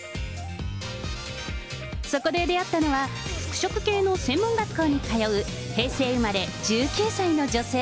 そこで出会ったのは、服飾系の専門学校に通う、平成生まれ１９歳の女性。